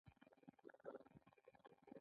هغوی باید د اکتسابي فضیلتونو له پلوه ورته وي.